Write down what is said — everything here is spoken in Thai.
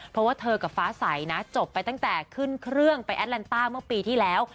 เพราะว่าเธอกับฟ้าใสนะจบไปตั้งแต่ขึ้นเครื่องไปแอดแลนต้าเมื่อปีที่แล้ว